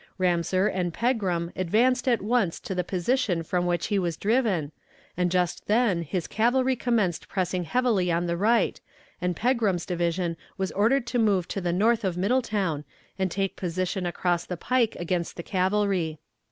Ramseur and Pegram advanced at once to the position from which he was driven, and just then his cavalry commenced pressing heavily on the right, and Pegram's division was ordered to move to the north of Middletown and take position across the pike against the cavalry.